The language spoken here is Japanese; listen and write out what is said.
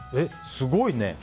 すごいね！